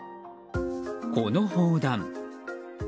この砲弾。